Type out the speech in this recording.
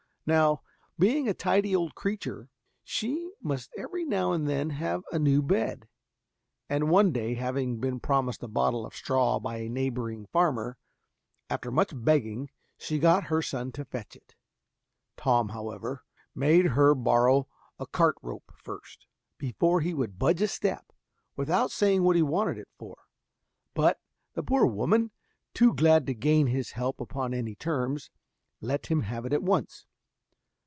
Now, being a tidy old creature, she must every now and then have a new bed, and one day having been promised a bottle of straw by a neighboring farmer, after much begging she got her son to fetch it. Tom, however, made her borrow a cart rope first, before he would budge a step, without saying what he wanted it for; but the poor woman, too glad to gain his help upon any terms, let him have it at once.